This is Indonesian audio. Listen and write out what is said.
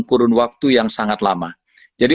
kurun waktu yang sangat lama jadi